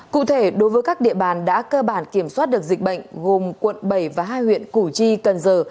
cụ thể đối với các địa bàn đã cơ bản kiểm soát được dịch bệnh gồm quận bảy và hai huyện củ chi cần giờ